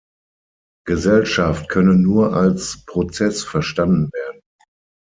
Gesellschaft könne nur als Prozess verstanden werden.